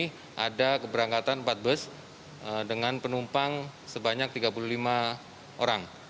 ini ada keberangkatan empat bus dengan penumpang sebanyak tiga puluh lima orang